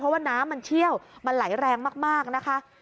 เพราะว่าน้ำมันเชี่ยวมันไหลแรงมากนะคะ